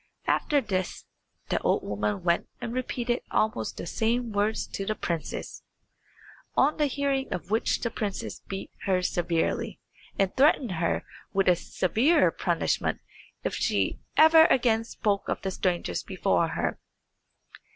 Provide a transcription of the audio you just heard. After this the old woman went and repeated almost the same words to the princess, on the hearing of which the princess beat her severely; and threatened her with a severer punishment if she ever again spoke of the strangers before her.